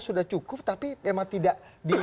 sudah cukup tapi memang tidak di